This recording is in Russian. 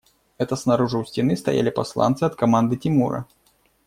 Это снаружи у стены стояли посланцы от команды Тимура.